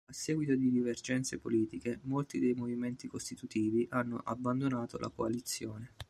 A seguito di divergenze politiche, molti dei movimenti costitutivi hanno abbandonato la coalizione.